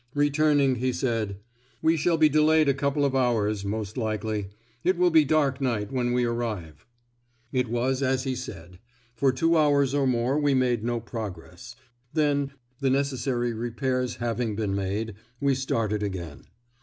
Returning, he said, "We shall be delayed a couple of hours, most likely. It will be dark night, when we arrive." It was as he said. For two hours or more we made no progress; then, the necessary repairs having been made, we started again.